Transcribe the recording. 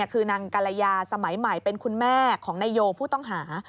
คือนางกรยาสมัยใหม่เป็นคุณแม่ของนายโยผู้ต้องหา